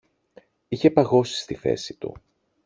Είχε παγώσει στη θέση του